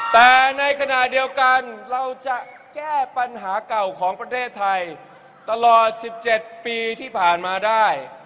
แต่ในขณะเดียวกันเราจะแก้ปัญหาเก่าของประเทศไทยตลอด๑๗ปีที่ผ่านมาได้